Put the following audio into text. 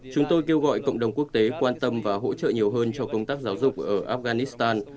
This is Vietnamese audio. chúng tôi kêu gọi cộng đồng quốc tế quan tâm và hỗ trợ nhiều hơn cho công tác giáo dục ở afghanistan